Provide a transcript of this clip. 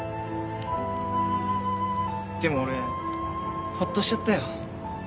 でも俺ほっとしちゃったよ。